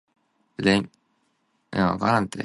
連登仔